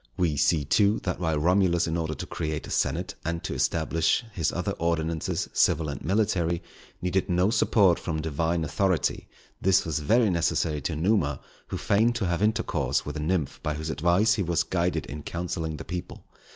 We see, too, that while Romulus in order to create a senate, and to establish his other ordinances civil and military, needed no support from Divine authority, this was very necessary to Numa, who feigned to have intercourse with a Nymph by whose advice he was guided in counselling the people.